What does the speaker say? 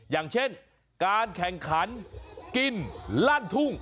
อย่างเช่นการแข่งขันกินลั่นทุ่ง